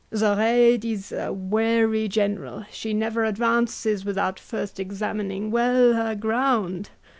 Zoraide is a wary general; she never advances without first examining well her ground.